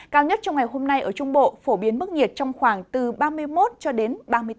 cao nhất trong ngày hôm nay ở trung bộ phổ biến mức nhiệt trong khoảng từ ba mươi một cho đến ba mươi bốn độ